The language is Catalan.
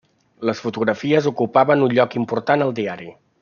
Les fotografies ocupaven un lloc important al diari.